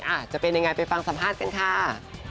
อาจจะเป็นยังไงไปฟังสัมภาษณ์กันค่ะ